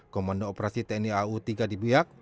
komando operasi tni au tiga di biak